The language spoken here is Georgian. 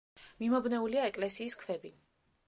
მიმობნეულია ეკლესიის ქვები.